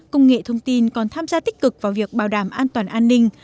công nghệ thông tin còn tham gia tích cực vào việc bảo đảm an toàn an ninh